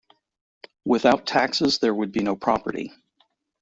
Without taxes there would be no property.